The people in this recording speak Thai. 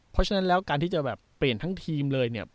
เพราะฉะนั้นแล้วการที่จะแบบเปลี่ยนทั้งทีมเลยเนี่ย